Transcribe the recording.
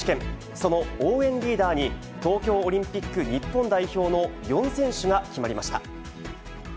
その応援リーダーに、東京オリンピック日本代表の４選手が決まりました。